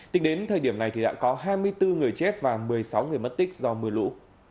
tính đến thời điểm này thì đã có hai mươi bốn người chết và một mươi sáu người mất tích do mưa lũ